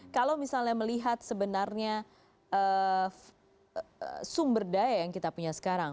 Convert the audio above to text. kalau misalnya melihat sebenarnya sumber daya yang kita punya sekarang